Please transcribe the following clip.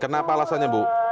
kenapa alasannya bu